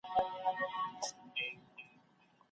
د قدرت انحصار د ټولنيزو ناخوالو اصلي زېږنده دی.